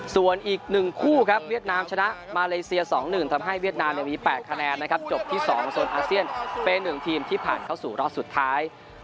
ส่วนอีก๑คู่ครับเวียดนามชนะมาเลเซีย๒๑ทำให้เวียดนามมี๘คะแนนนะครับจบที่๒โซนอาเซียนเป็น๑ทีมที่ผ่านเข้าสู่รอบสุดท้าย